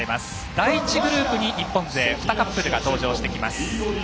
第１グループに日本勢２カップルが登場してきます。